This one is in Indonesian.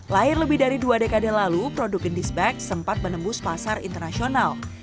lahir lebih dari dua dekade lalu produk gendis bag sempat menembus pasar internasional